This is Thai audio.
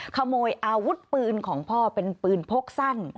ขโมยอาวุธปืนของพ่อเป็นปืนพกสั้น